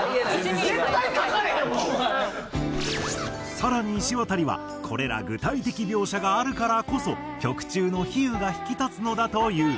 さらにいしわたりはこれら具体的描写があるからこそ曲中の比喩が引き立つのだという。